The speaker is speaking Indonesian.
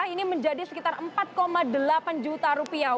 ini menjadi sekitar empat delapan juta rupiah